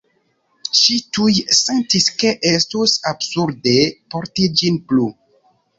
Ŝi tuj sentis ke estus absurde porti ĝin plu.